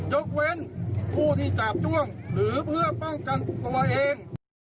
ยกเว้นผู้ที่จาบจ้วงหรือเพื่อป้องกันตัวเอง